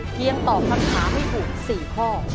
เพียงตอบคำถามให้ผม๔ข้อ